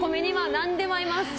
何でも合います。